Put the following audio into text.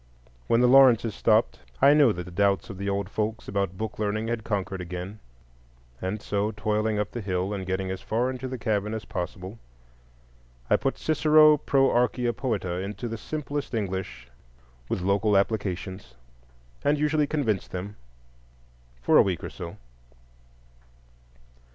When the Lawrences stopped, I knew that the doubts of the old folks about book learning had conquered again, and so, toiling up the hill, and getting as far into the cabin as possible, I put Cicero "pro Archia Poeta" into the simplest English with local applications, and usually convinced them—for a week or so.